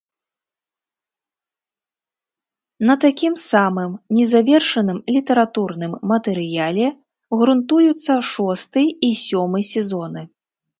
На такім самым незавершаным літаратурным матэрыяле грунтуюцца шосты і сёмы сезоны.